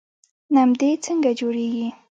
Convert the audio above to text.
نمدې څنګه جوړیږي؟